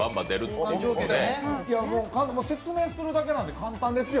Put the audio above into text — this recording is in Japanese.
説明するだけなんで簡単ですよ。